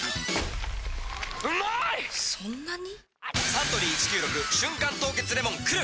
サントリー「１９６瞬間凍結レモン」くる！